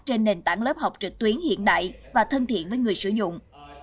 trên nền tảng lớp học trực tuyến hiện đại và thân thiện với người sử dụng